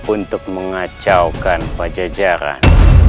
untuk mengacaukan pajajaran